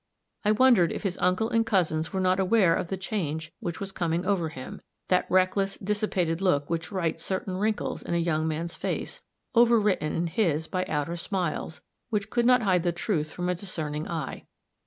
I wondered if his uncle and cousins were not aware of the change which was coming over him; that reckless, dissipated look which writes certain wrinkles in a young man's face, overwritten in his by outer smiles, which could not hide the truth from a discerning eye.